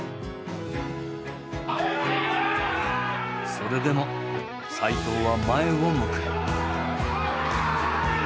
それでも齋藤は前を向く。